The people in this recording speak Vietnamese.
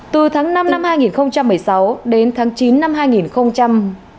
từ tháng năm năm hai nghìn một mươi sáu đến tháng chín năm hai nghìn một mươi tám